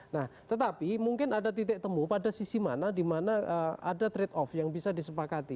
nah tetapi mungkin ada titik temu pada sisi mana di mana ada trade off yang bisa disepakati